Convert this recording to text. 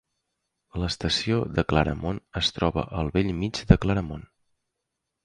L'estació de Claremont es troba al bell mig de Claremont.